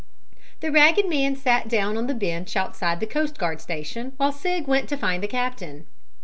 The ragged man sat down on the bench outside the coast guard station, while Sig went to find the captain.